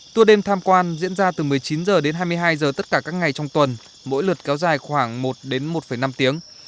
tua đêm tham quan diễn ra từ một mươi chín h đến hai mươi hai h tất cả các ngày trong tuần mỗi lượt kéo dài khoảng một đến một năm tiếng